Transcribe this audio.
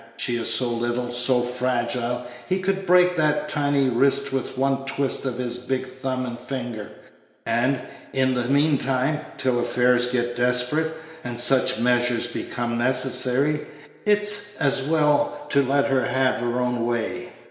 She is so little, so fragile; he could break that tiny wrist with one twist of his big thumb and finger; and, in the meantime, till affairs get desperate, and such measures become necessary, it's as well to let her have her own way.